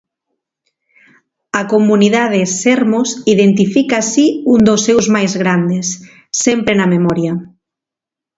A Comunidade Sermos identifica así un dos seus máis grandes, sempre na memoria.